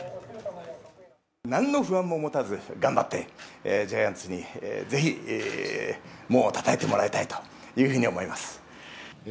何の不安も持たず頑張ってジャイアンツにぜひ門をたたいてもらいたいと思います。